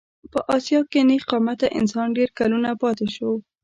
په اسیا کې نېغ قامته انسان ډېر کلونه پاتې شو.